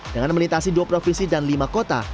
dengan melintasi dua provinsi dan lima kota